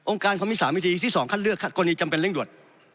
องค์การความผิดสารวิธีที่๒คัดเลือกคัดกรณีจำเป็นเร่งด่วน